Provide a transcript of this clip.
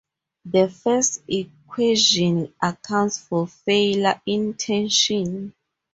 The first equation accounts for failure in tension.